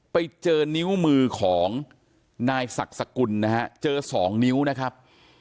ไปเจอนิ้วมือของนายศักดิ์สกุลนะฮะเจอสองนิ้วนะครับ